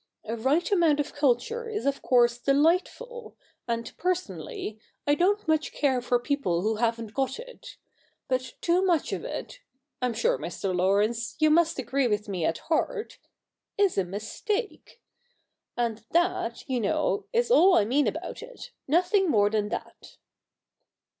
A right amount of culture is of course delightful, and personally, I don't much care for people who haven't got it. But too much of it — I'm sure, Mr. Laurence, you must agree with me at heart — is a mistake. And that, you know, is all I mean about it ! nothing more than that.'